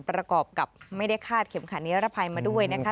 ประกอบกับไม่ได้คาดเข็มขัดนิรภัยมาด้วยนะคะ